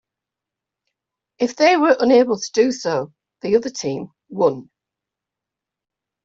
If they were unable to do so, the other team won.